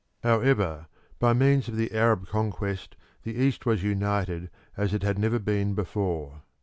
However, by means of the Arab conquest the East was united as it had never been before.